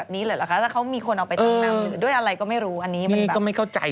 นี่ก็ไม่เข้าใจเหมือนกัน